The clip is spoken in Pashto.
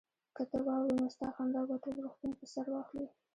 که ته واورې نو ستا خندا به ټول روغتون په سر واخلي